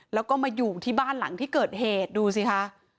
แล้วก็มาอยู่ที่บ้านหลังที่เกิดเหตุดูสิคะ